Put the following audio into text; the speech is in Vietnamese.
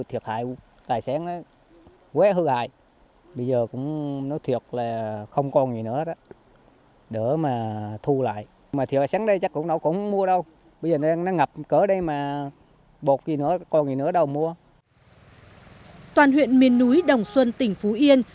thịt hại nặng nề hơn là một năm hectare sắn vèn sông kỳ lộ của gia đình nhà anh trần hoàn thiện